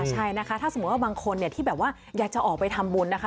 ใช่นะคะถ้าสมมุติว่าบางคนที่แบบว่าอยากจะออกไปทำบุญนะคะ